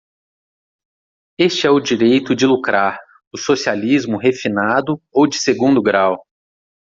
Este é o direito de lucrar, o socialismo refinado ou de segundo grau.